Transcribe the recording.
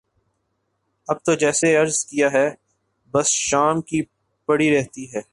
اب تو جیسے عرض کیا بس شام کی پڑی رہتی ہے